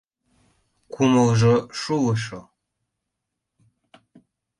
Кумылжо шулышо